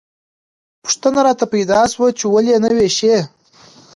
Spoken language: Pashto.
پوښتنه راته پیدا شوه چې ولې یې نه ویشي.